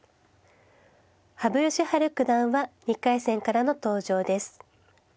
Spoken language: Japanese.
羽生善治九段は２回戦からの登場です。